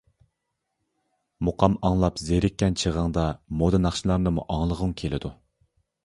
مۇقام ئاڭلاپ زېرىككەن چېغىڭدا مودا ناخشىلارنىمۇ ئاڭلىغۇڭ كېلىدۇ.